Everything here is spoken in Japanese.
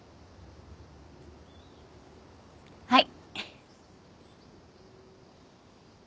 はい。